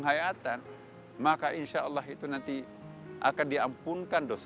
maka insyaallah itu nanti akan diampunkan dosa maka insyaallah itu nanti akan diampunkan dosa